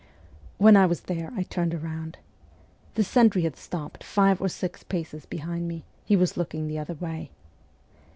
When I was there I turned round. The sentry had stopped five or six paces behind me; he was looking the other way.